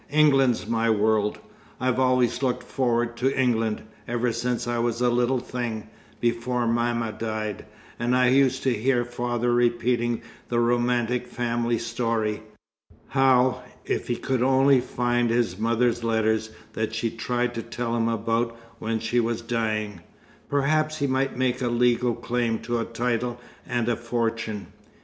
England's my world. I've always looked forward to England, ever since I was a little thing, before mamma died, and I used to hear father repeating the romantic family story how, if he could only find his mother's letters that she'd tried to tell him about when she was dying, perhaps he might make a legal claim to a title and a fortune.